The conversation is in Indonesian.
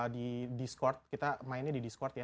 di discord kita mainnya di discord ya